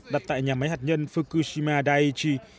đặt tại nhà máy hạt nhân fukushima daiichi